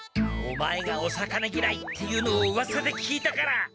オマエがお魚ぎらいっていうのをうわさで聞いたから。